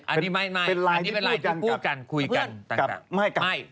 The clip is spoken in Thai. อันนี้เป็นไลน์อันนี้พูดกันคุยกัน